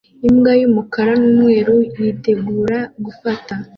Imbwa y'umukara n'umweru yitegura gufata